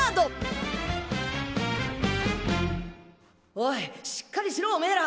おいしっかりしろオメーら！